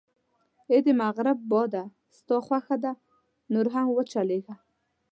اې د مغرب باده، ستا خوښه ده، نور هم و چلېږه.